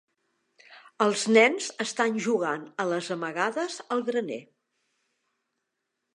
Els nens estan jugant a les amagades al graner.